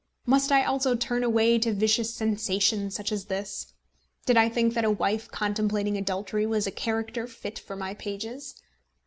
Must I also turn away to vicious sensation such as this? Did I think that a wife contemplating adultery was a character fit for my pages?